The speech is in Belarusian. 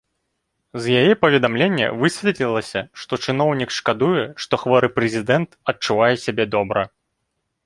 З яе паведамлення высветлілася, што чыноўнік шкадуе, што хворы прэзідэнт адчувае сябе добра.